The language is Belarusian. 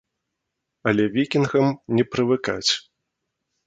Але вікінгам не прывыкаць.